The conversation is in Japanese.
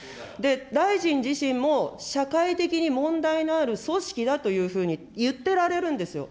大臣自身も、社会的に問題のある組織だというふうに言ってられるんですよ。